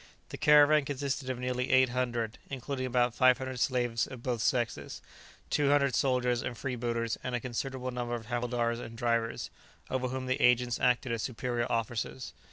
The caravan consisted of nearly eight hundred, including about five hundred slaves of both sexes, two hundred soldiers and freebooters, and a considerable number of havildars and drivers, over whom the agents acted as superior officers.